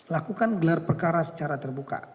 lakukan gelar perkara secara terbuka